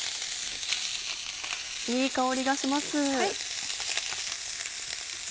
いい香りがします。